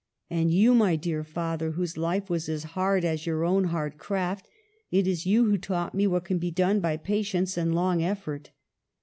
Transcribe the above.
And you, my dear father, whose life was as hard as your own hard craft, it is you who taught me what can be done by patience and long effort.